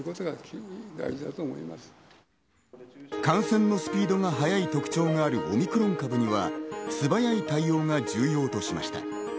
感染のスピードが速い特徴があるオミクロン株には素早い対応が重要としました。